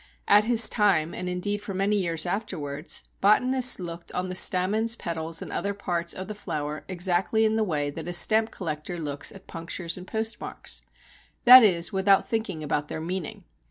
At his time and indeed for many years afterwards, botanists looked on the stamens, petals, and other parts of the flower exactly in the way that a stamp collector looks at punctures and postmarks, that is without thinking about their meaning.